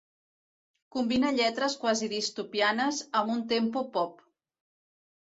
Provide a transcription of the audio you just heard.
Combina lletres quasi distopianes amb un tempo pop.